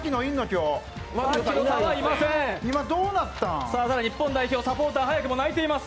日本代表サポーター早くも泣いています。